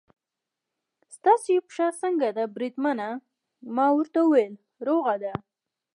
ستاسې پښه څنګه ده بریدمنه؟ ما ورته وویل: روغه ده.